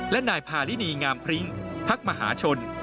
และนายพารินีงามพริ้งพักมหาชน